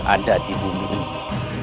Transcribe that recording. ada di bumi ini